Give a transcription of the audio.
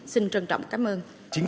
xin trân trọng cảm ơn